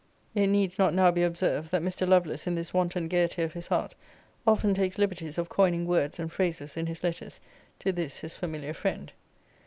It needs not now be observed, that Mr. Lovelace, in this wanton gaiety of his heart, often takes liberties of coining words and phrases in his letters to this his familiar friend.